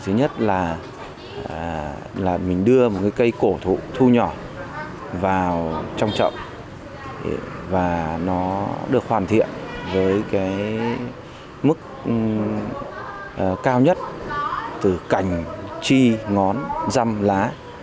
thứ nhất là mình đưa một cái cây cổ thụ thu nhỏ vào trong chợ và nó được hoàn thiện với cái mức cao nhất từ cành chi ngón răm lá